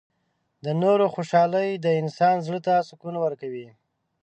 • د نورو خوشحالي د انسان زړۀ ته سکون ورکوي.